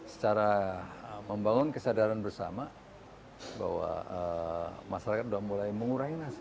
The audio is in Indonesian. secara membangun kesadaran bersama bahwa masyarakat sudah mulai mengurangi nasi